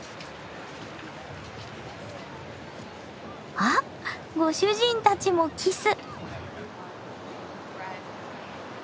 あご主人たちもキス！